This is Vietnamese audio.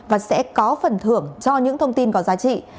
và sẽ có phần thưởng cho những thông tin có giá trị